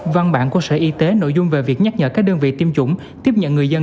văn bản của sở y tế nội dung về việc nhắc nhở các đơn vị tiêm chủng tiếp nhận người dân